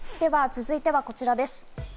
続いてはこちらです。